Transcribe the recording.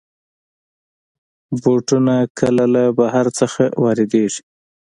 بوټونه کله له بهر نه واردېږي.